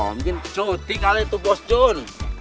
mungkin cuti kalau itu bos jun